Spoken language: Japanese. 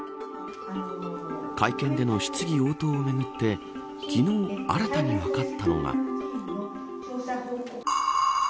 会見での質疑応答をめぐって昨日、新たに分かったのは。